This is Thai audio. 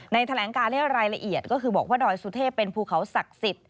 ในฐะแรงกาเลี่ยวไรละเอียดก็คือบอกว่าดอยสุเทพเป็นภูเขาศักดิ์สิดร์